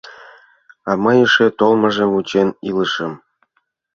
А мый эше толмыжым вучен илышым.